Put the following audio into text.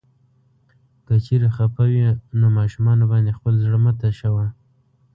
که چيرې خفه وې نو ماشومانو باندې خپل زړه مه تشوه.